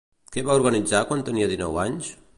Què va organitzar quan tenia dinou anys?